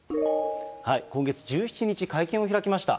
今月１７日、会見を開きました。